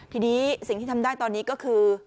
ทีนี้สิ่งที่ทำได้ตอนนี้ก็คือ